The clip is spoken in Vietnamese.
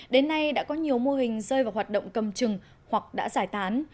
đến nay đã có nhiều mô hình rơi vào hoạt động cầm chừng hoặc đã giải tán